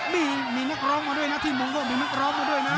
นี่มีนักร้องมาด้วยนะที่มงโก้มีนักร้องมาด้วยนะ